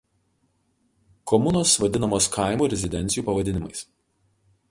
Komunos vadinamos kaimų rezidencijų pavadinimais.